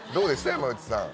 山内さん